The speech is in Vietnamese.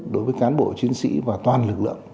đối với cán bộ chiến sĩ và toàn lực lượng